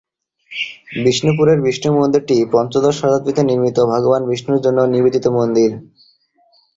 বিষ্ণুপুরের বিষ্ণু মন্দিরটি পঞ্চদশ শতাব্দীতে নির্মিত ভগবান বিষ্ণুর জন্যে নিবেদিত মন্দির।